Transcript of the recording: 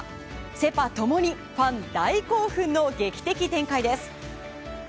セ・パ共にファン大興奮の劇的展開です。